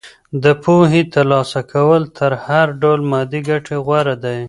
د پوهې ترلاسه کول تر هر ډول مادي ګټې غوره دي.